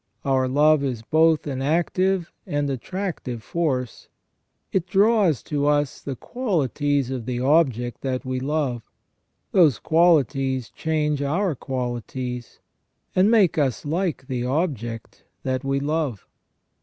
Our love is both an active and attractive force; it draws to us the qualities of the object that we love, those qualities change our qualities, and make us like the object that we love.